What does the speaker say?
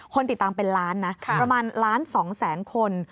คนติดตามเป็นล้านนะประมาณล้าน๒แสนคน